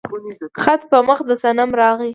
خط په مخ د صنم راغى